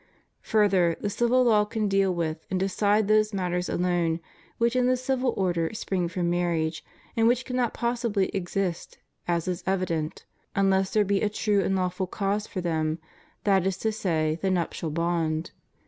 Further, the civil law can deal with and decide those matters alone which in the civil order spring from marriage, and which cannot possibly exist, as is evident, unless there be a true and lawful cause for them, that is to say, the nuptial bond.